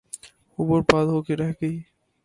وہ برباد ہو کے رہ گئے۔